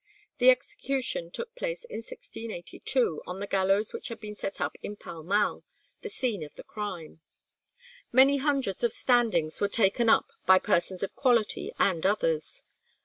The execution took place in 1682 on the gallows which had been set up in Pall Mall, the scene of the crime. "Many hundreds of standings were taken up by persons of quality and others."